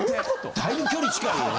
だいぶ距離近いよね。